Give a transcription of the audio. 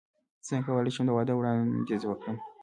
څنګه کولی شم د واده وړاندیز وکړم